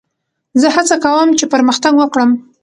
زه هڅه کوم، چي پرمختګ وکړم.